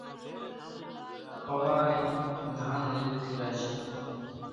ۿوارين ڌانَ نيڪرِي زاشيَ۔